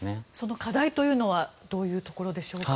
課題というのはどういうところですか？